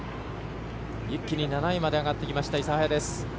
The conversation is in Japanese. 一気に７位まで上がってきた諫早です。